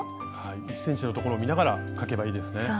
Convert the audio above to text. １ｃｍの所を見ながら書けばいいですね。